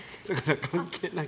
関係ない。